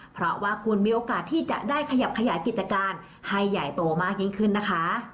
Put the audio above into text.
เพราะว่าคุณมีโอกาสที่จะได้ขยับขยายกิจการให้ใหญ่โตมากยิ่งขึ้นนะคะ